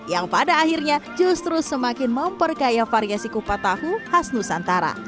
yang pada akhirnya justru semakin memperkaya variasi kupat tahu khas nusantara